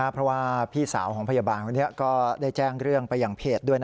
เพราะว่าพี่สาวของพยาบาลคนนี้ก็ได้แจ้งเรื่องไปอย่างเพจด้วย